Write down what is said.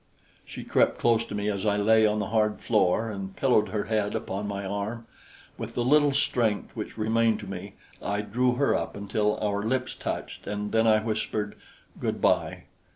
She crept close to me as I lay on the hard floor and pillowed her head upon my arm. With the little strength which remained to me, I drew her up until our lips touched, and, then I whispered: "Good bye!"